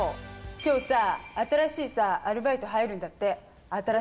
今日さ新しいさアルバイト入るんだって新しいの。